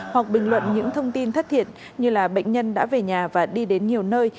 hoặc bình luận những thông tin thất thiệt như là bệnh nhân đã về nhà và đi đến nhiều nơi